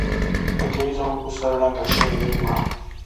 تهکوي زموږ په سر ړنګه شوې وه